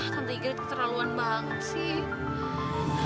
tante igri terlaluan banget sih